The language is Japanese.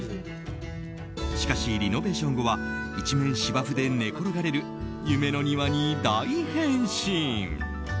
しかしリノベーション後は一面、芝生で寝転がれる夢の庭に大変身。